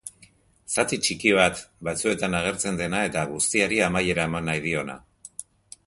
Zati txiki bat, batzuetan agertzen dena eta guztiari amaiera eman nahi diona.